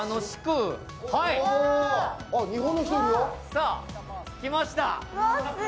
さあ、来ました。